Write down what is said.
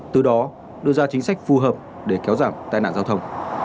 từ đó đưa ra chính sách phù hợp để kéo giảm tai nạn giao thông